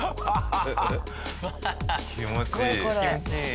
気持ちいい。